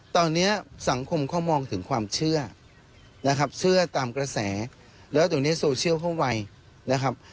ตอนนี้สังคมเขามองถึงความเชื่อนะครับเชื่อตามกระแสแล้วเดี๋ยวนี้โซเชียลเขาไวนะครับ